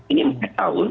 ini empat tahun